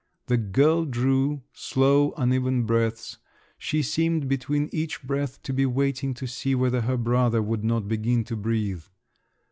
The girl drew slow, uneven breaths; she seemed between each breath to be waiting to see whether her brother would not begin to breathe.